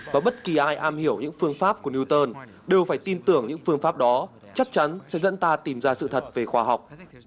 và bất kỳ ai am hiểu những phương pháp của newton đều phải tin tưởng những phương pháp đó chắc chắn sẽ dẫn ta tìm ra sự thật về khoa học